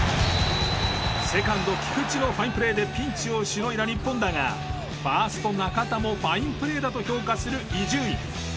セカンド菊池のファインプレーでピンチをしのいだ日本だがファースト中田もファインプレーだと評価する伊集院。